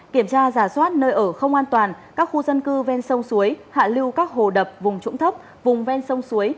kiểm tra giả soát nơi ở không an toàn các khu dân cư ven sông suối hạ lưu các hồ đập vùng trũng thấp vùng ven sông suối